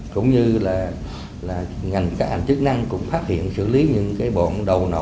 cũng như là ngành cạn chức năng cũng phát hiện xử lý những bọn đầu nổ